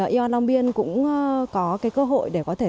yên long biên cũng có cơ hội để tìm hiểu